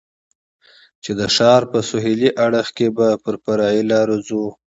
چې د ښار په سهېلي اړخ کې به پر فرعي لارو ځو.